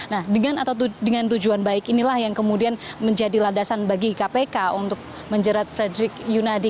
nah dengan atau dengan tujuan baik inilah yang kemudian menjadi landasan bagi kpk untuk menjerat frederick yunadi